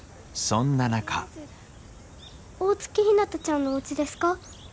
そんな中大月ひなたちゃんのおうちですか？